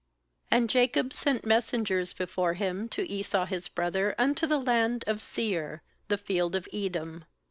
4And Jacob sent messengers before to Esau his brother unto the land of Seir, the field of Edom.